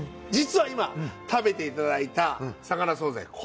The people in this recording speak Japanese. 実は今食べていただいた魚惣菜